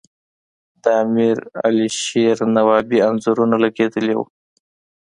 د امیر علیشیر نوایي انځورونه لګیدلي وو.